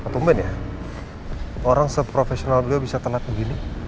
tumpen ya orang seprofesional beliau bisa tenat begini